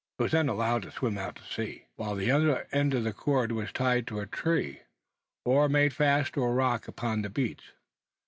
It was then allowed to swim out into the sea; while the other end of the cord was tied to a tree, or made fast to a rock upon the beach.